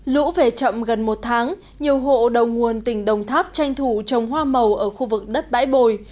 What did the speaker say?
lũ về chậm gần một tháng nhiều hộ đầu nguồn tỉnh đồng tháp tranh thủ trồng hoa màu ở khu vực đất bãi bồi